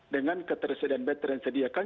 dengan ketersediaan better yang disediakan